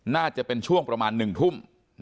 น่าจะเป็นช่วงประมาณ๑ทุ่ม